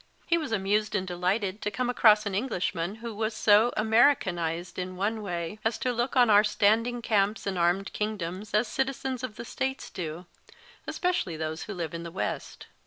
He was amused and delighted to come across an Englishman who was so Americanised in one way as to look on our standing camps and armed kingdoms as citizens of the States do, especially those who live in the West.